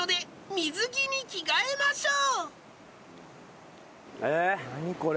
水着に着替えましょう。